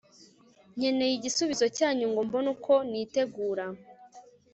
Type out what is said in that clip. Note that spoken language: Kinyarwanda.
nkeneye igisubuzo cyanyu ngo mbone uko nitegura